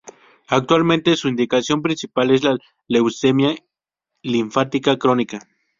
Actualmente su indicación principal es la leucemia linfática crónica.